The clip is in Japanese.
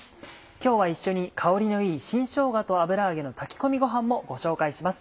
今日は一緒に香りのいい「新しょうがと油揚げの炊き込みごはん」もご紹介します。